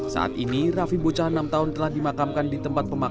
saat ini raffi bocah enam tahun telah dimakamkan di tempat pemakaman